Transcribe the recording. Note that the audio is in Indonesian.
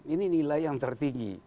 ini nilai yang tertinggi